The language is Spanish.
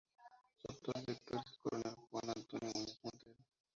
Su actual director es el Coronel Juan Antonio Muñoz Montero.